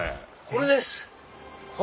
これです！